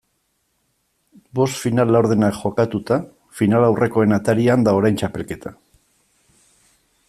Bost final laurdenak jokatuta, finalaurrekoen atarian da orain txapelketa.